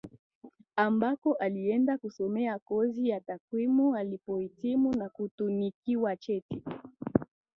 Ambako alienda kusomea kozi ya takwimu alipohitimu na kutunikiwa cheti